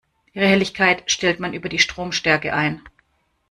Ihre Helligkeit stellt man über die Stromstärke ein.